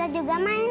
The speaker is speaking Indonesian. aku akan menyesal